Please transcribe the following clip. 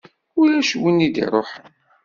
Ulac win i d-iṛuḥen.